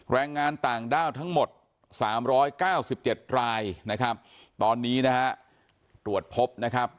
แรงงานต่างด้าวทั้งหมด๓๙๗รายนะครับตอนนี้นะฮะตรวจพบนะครับ